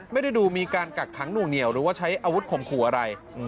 ไม่ได้ดูมีการกักขังหน่วงเหนียวหรือว่าใช้อาวุธข่มขู่อะไร